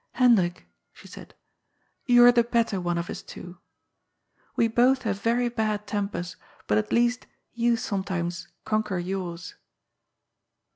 " Hendrik," she said, " you are the better one of us two. We both have very bad tempers, but, at least, you sometimes conquer yours."